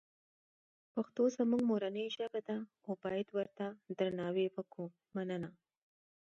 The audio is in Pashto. پښتوزموږمورنی ژبه ده اوبایدورته درناوی وکومننه